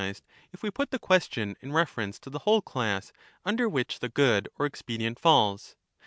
237 nised, if we put the question in reference to the whole class Thtaeutus, under which the good or expedient falls.